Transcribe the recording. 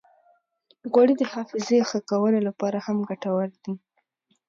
غوړې د حافظې ښه کولو لپاره هم ګټورې دي.